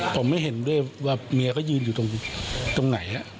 ผมไม่เห็นด้วยว่าเมียเขายืนอยู่ตรงไหน